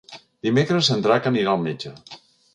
Dimecres en Drac anirà al metge.